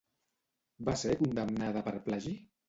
Va ser condemnada per plagi?